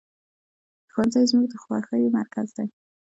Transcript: ښوونځی زموږ د خوښیو مرکز دی